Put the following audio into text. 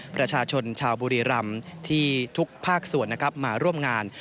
ประชาชนชาวบุรีรำที่ทุกภาคส่วนนะครับมาร่วมงาน